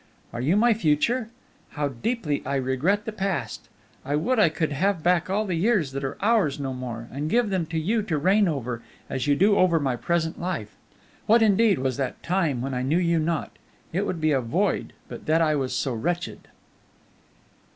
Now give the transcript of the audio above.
"Are you my future? How deeply I regret the past! I would I could have back all the years that are ours no more, and give them to you to reign over, as you do over my present life. What indeed was that time when I knew you not? It would be a void but that I was so wretched."